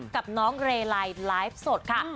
กับน้องเรลัยไลฟ์สดค่ะ